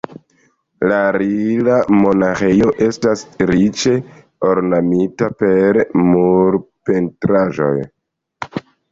La Rila-monaĥejo estas riĉe ornamita per murpentraĵoj.